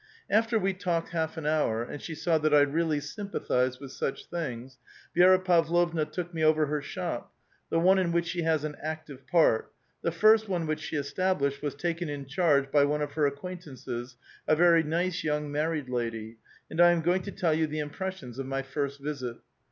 After we talked half an hour, and she saw that I really sympathized with such things, Vi^ra Pavlovna took me over her shop, the one in which she has an active part (the first one which she established was taken in charge by one of her acquaintances, a very nice young married lady), and I am going to tell you the impressions of my first visit.